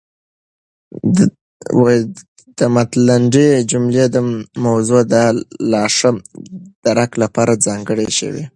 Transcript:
د مط الندې جملې د موضوع د لاښه درک لپاره ځانګړې شوې.